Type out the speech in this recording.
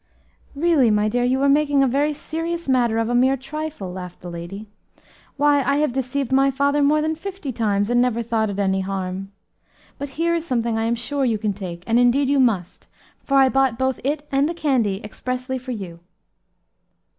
"Really, my dear, you are making a very serious matter of a mere trifle," laughed the lady; "why, I have deceived my father more than fifty times, and never thought it any harm. But here is something I am sure you can take, and indeed you must, for I bought both it and the candy expressly for you."